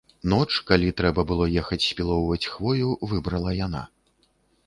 Ноч, калі трэба было ехаць спілоўваць хвою, выбрала яна.